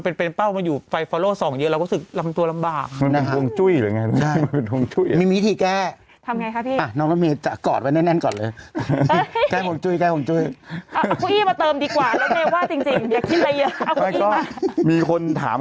เพิ่มเก้าอี้อีกตัวไป๔ตัว